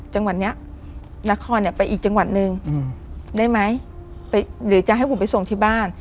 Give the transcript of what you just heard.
จังหวัดนี้นครเนี่ยไปอีกจังหวัดหนึ่งได้ไหมหรือจะให้ผมไปส่งที่บ้าน